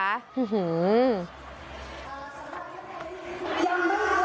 หื้อ